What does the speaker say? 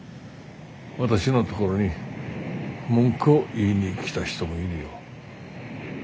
私の所に文句を言いに来た人もいるよ。